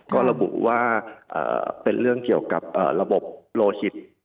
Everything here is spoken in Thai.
ก็ระบุว่าเป็นเรื่องเกี่ยวกับระบบโลหิต